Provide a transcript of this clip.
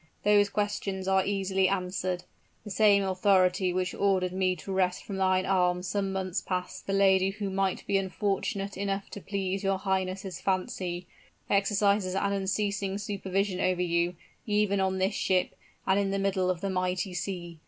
"Those questions are easily answered. The same authority which ordered me to wrest from thine arms some months past the lady who might be unfortunate enough to please your highness' fancy, exercises an unceasing supervision over you, even on this ship, and in the middle of the mighty sea.